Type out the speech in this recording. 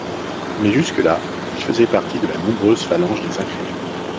Mais jusque-là, il faisait partie de la nombreuse phalange des incrédules.